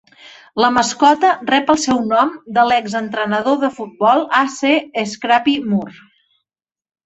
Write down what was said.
La mascota rep el seu nom de l'exentrenador de futbol A. C. "Scrappy" Moore.